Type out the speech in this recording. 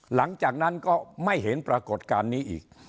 หลังจากนั้นก็ไม่เห็นปรากฏการณ์นี้อีก